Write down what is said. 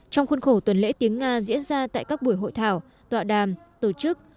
trong khuôn khổ tuần lễ tiếng nga diễn ra tại các buổi hội thảo tọa đàm tổ chức